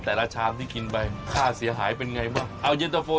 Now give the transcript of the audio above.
ชามที่กินไปค่าเสียหายเป็นไงบ้างเอาเย็นตะโฟ